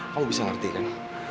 kamu bisa mengerti kan